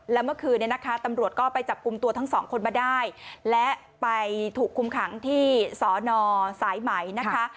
แล้วเมื่อคืนเนี่ยนะคะตำรวจก็ไปจับกลุ่มตัวทั้งสองคนมาได้และไปถูกคุมขังที่สอนอสายไหมนะคะ